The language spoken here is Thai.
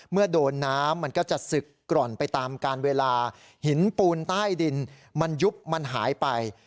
เมื่อโดนน้ำมันก็จะศึกกร่อนไปตามการเวลาหินปูนใต้ดินมันยุบมันหายไป